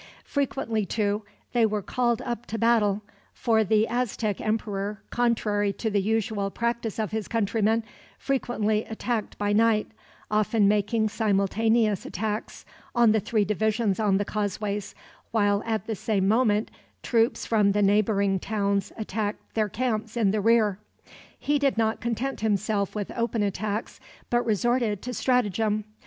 Frequently, too, they were called up to battle; for the Aztec emperor, contrary to the usual practice of his countrymen, frequently attacked by night; often making simultaneous attacks on the three divisions on the causeways, while at the same moment troops from the neighboring towns attacked their camps in the rear. He did not content himself with open attacks, but resorted to stratagem.